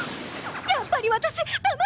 やっぱり私だまされて。